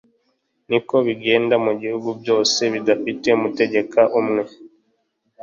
ni ko bigenda mu bihugu byose bidafite umutegeka umwe